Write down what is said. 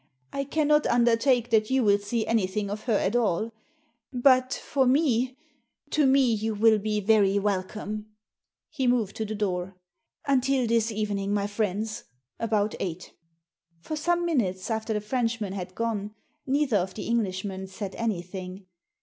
I cannot undertake that you will see anything of her at all. But, for me — to me you will be very welcome." He moved to the door. " Until this evening, my friends, about eight" For some minutes after the Frenchman had gone Digitized by VjOOQIC THE ASSASSIN 183 neither of the Englishmen said anything.